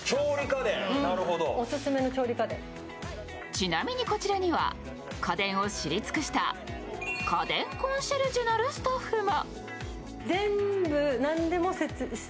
ちなみにこちらには家電を知り尽くした家電コンシェルジュなるスタッフも。